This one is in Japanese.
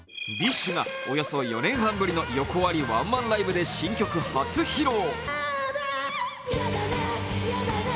ＢｉＳＨが、およそ４年半ぶりの横アリワンマンライブで新曲初披露。